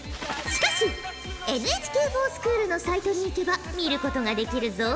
しかしＮＨＫｆｏｒＳｃｈｏｏｌのサイトに行けば見ることができるぞ！